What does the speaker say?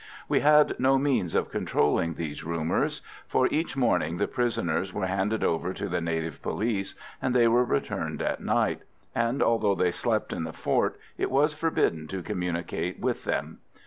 We had no means of controlling these rumours, for each morning the prisoners were handed over to the native police, and they were returned at night; and, although they slept in the fort, it was forbidden to communicate with them.